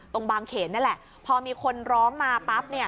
ตรงบางเขนนั่นแหละพอมีคนล้อมมาปั๊บ